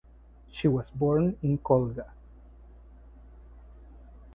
She was born in Kolga.